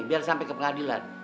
biar sampai ke pengadilan